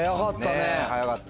早かった。